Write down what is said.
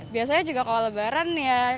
biasanya juga kalau lebaran ya